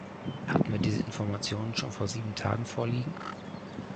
Hatten wir diese Informationen schon vor sieben Tagen vorliegen?